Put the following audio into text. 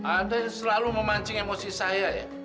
ada yang selalu memancing emosi saya ya